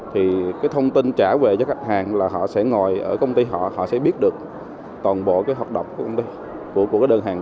thì cái thông tin trả về cho khách hàng là họ sẽ ngồi ở công ty họ họ sẽ biết được toàn bộ cái hoạt động của công ty của cái đơn hàng